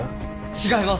違います！